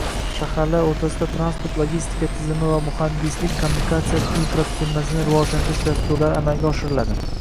shaharlar o‘rtasida transport-logistika tizimi va muhandislikkommunikatsiya infratuzilmasini rivojlantirish dasturlari amalga oshiriladi.